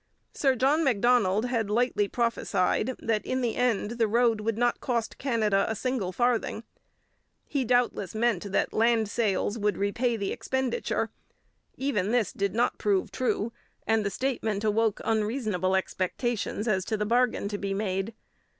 Sir John Macdonald had lightly prophesied that in the end the road would not cost Canada a single farthing. He doubtless meant that land sales would repay the expenditure; even this did not prove true, and the statement awoke unreasonable expectations as to the bargain to be made.